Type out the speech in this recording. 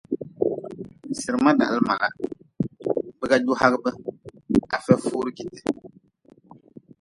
Sirma dahli mala, biga ju hagʼbe, afia furi jite.